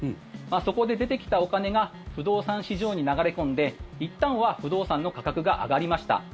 そこで出てきたお金が不動産市場に流れ込んでいったんは不動産の価格が上がりました。